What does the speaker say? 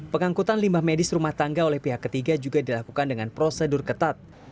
pengangkutan limbah medis rumah tangga oleh pihak ketiga juga dilakukan dengan prosedur ketat